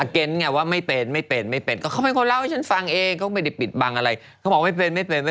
ตรงตรงอย่างไม่รู้ละ